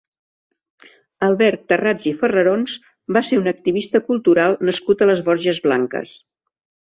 Albert Tarrats i Farrerons va ser un activista cultural nascut a les Borges Blanques.